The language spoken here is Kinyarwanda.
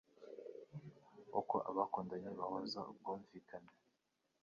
Uko abakundanye bahuza ubwumvikane